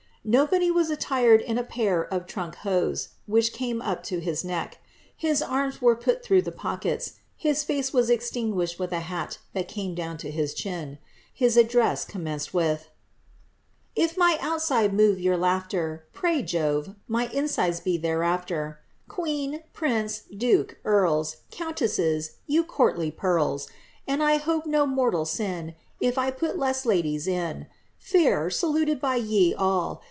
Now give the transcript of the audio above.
Nobody was attired in a pair of trunk hose, which came up to his neck ; his arms were put through the pockets ; his face was extinguished with a hat that came down to his chin. His address commenc^ with— If my outside move your laughter, Pray, Jove, my inside be thereafter. Queen, prinoe, duke« earls, Countesses, you courtly pearls! And I hope no mortal sin If I put less ladies in. Fair, saluted be jre all.